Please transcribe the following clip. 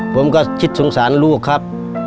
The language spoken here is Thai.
ผมก็คิดสงสารลูกครับ